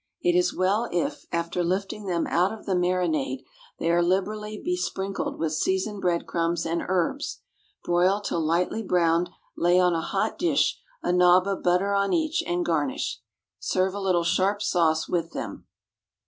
It is well if, after lifting them out of the marinade, they are liberally besprinkled with seasoned breadcrumbs and herbs. Broil till lightly browned, lay on a hot dish, a nob of butter on each, and garnish. Serve a little sharp sauce with them.